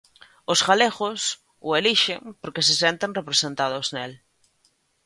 Os galegos o elixen porque se senten representados nel.